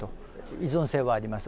依存性はあります。